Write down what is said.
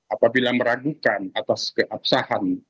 apabila meragukan atas keabsahan